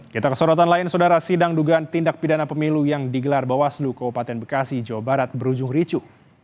kita ke sorotan lain saudara sidang dugaan tindak pidana pemilu yang digelar bawaslu kabupaten bekasi jawa barat berujung ricu